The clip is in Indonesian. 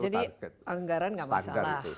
jadi anggaran tidak masalah